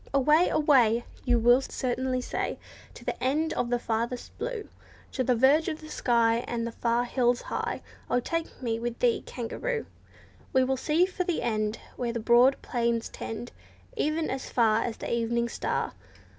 "Away and away!" You will certainly say, "To the end of the furthest blue— To the verge of the sky, And the far hills high, O take me with thee, kangaroo! We will seek for the end, Where the broad plains tend, E'en as far as the evening star.